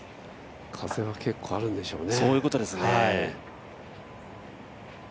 風が結構あるんでしょうね。